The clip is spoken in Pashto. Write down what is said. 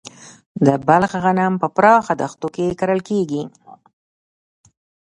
د بلخ غنم په پراخه دښتو کې کرل کیږي.